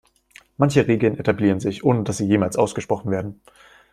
Manche Regeln etablieren sich, ohne dass sie jemals ausgesprochen werden.